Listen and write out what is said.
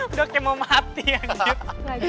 udah kayak mau mati anjir